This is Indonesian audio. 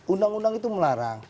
undang undang itu melarang